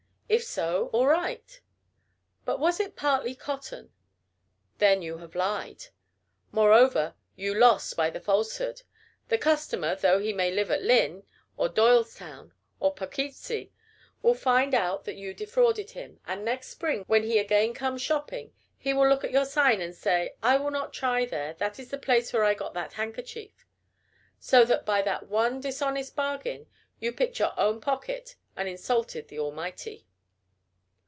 If so, all right. But was it partly cotton? Then you have lied. Moreover, you lost by the falsehood. The customer, though he may live at Lynn, or Doylestown, or Poughkeepsie, will find out that you defrauded him, and next spring, when he again comes shopping, he will look at your sign and say: "I will not try there. That is the place where I got that handkerchief." So that, by that one dishonest bargain, you picked your own pocket and insulted the Almighty.